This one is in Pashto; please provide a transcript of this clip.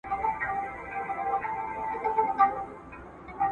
ماشوم د پلار په غېږ کې د یوې زړې لوبې د لیدو هڅه کوله.